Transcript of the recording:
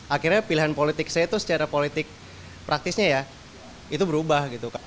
akhirnya pilihan politik saya itu secara politik praktisnya ya itu berubah gitu kak